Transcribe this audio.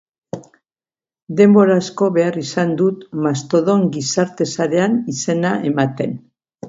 Denbora asko behar izan dut Mastodon gizarte sarean izena ematen.